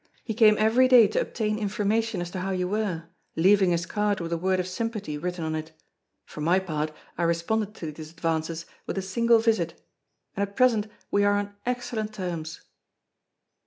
He came every day to obtain information as to how you were, leaving his card with a word of sympathy written on it. For my part, I responded to these advances with a single visit; and at present we are on excellent terms."